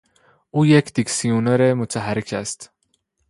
او یک دیکسیونر متحرک است!